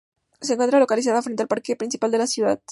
Se encuentra localizada frente al parque principal de la ciudad.